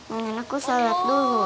mungkin aku salat dulu